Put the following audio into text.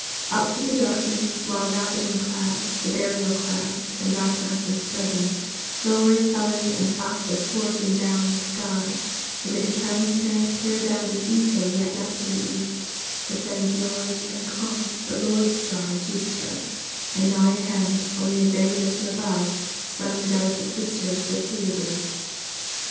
Up through the darkness, While ravening clouds, the burial clouds, in black masses spreading, Lower sullen and fast athwart and down the sky, Amid a transparent clear band of ether yet left in the east, Ascends large and calm the lord star Jupiter, And nigh at hand, only a very little above, Swim the delicate sisters the Pleiades.